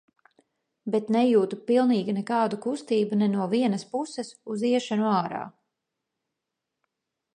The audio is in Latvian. Bet nejūtu pilnīgi nekādu kustību ne no vienas puses uz iešanu ārā.